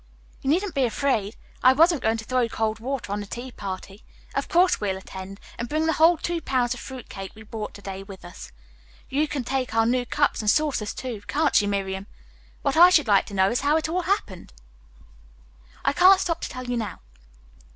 "You needn't be afraid. I wasn't going to throw cold water on the tea party. Of course we'll attend, and bring the whole two pounds of fruit cake we bought to day with us. You can take our new cups and saucers, too, can't she, Miriam? What I should like to know is how it all happened." "I can't stop to tell you now.